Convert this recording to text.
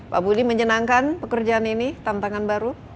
pak budi menyenangkan pekerjaan ini tantangan baru